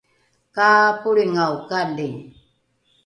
ka polringaokali